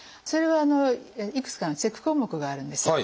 それはいくつかのチェック項目があるんです。